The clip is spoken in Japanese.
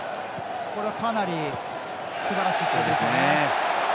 これはかなりすばらしい数字ですよね。